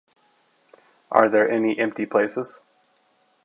Are there any empty places?